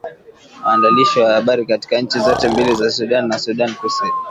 Waandishi wa habari katika nchi zote mbili za Sudan na Sudan Kusini